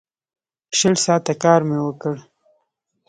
شل ساعته کار مې وکړ.